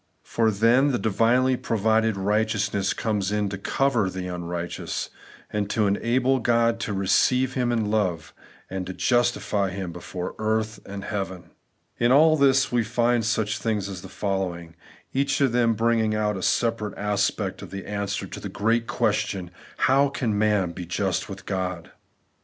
For then the divinely provided righteousness comes in to cover the xmrighteous, and to enable God to receive him in love, and justify him before earth and heaven. In all this we find such things as the following ; each of them bringing out a separate aspect of the answer to the great question, ' How can man be just with God ?